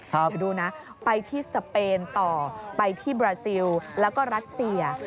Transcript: เดี๋ยวดูนะไปที่สเปนต่อไปที่บราซิลแล้วก็รัสเซีย